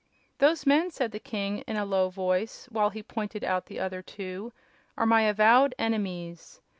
"Those men," said the king in a low voice, while he pointed out the other two, "are my avowed enemies.